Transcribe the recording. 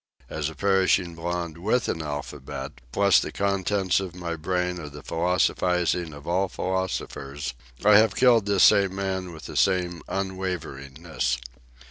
As a perishing blond with an alphabet, plus the contents in my brain of the philosophizing of all philosophers, I have killed this same man with the same unwaveringness.